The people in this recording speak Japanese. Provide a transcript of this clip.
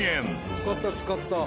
使った使った。